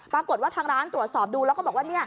ปรากฏว่าทางร้านตรวจสอบดูแล้วก็บอกว่า